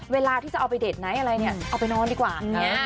เวลาที่จะเอาไปเด็ดไนท์อะไรเนี่ยเอาไปนอนดีกว่า